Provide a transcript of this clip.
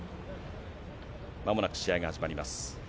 まもなく試合が始まります。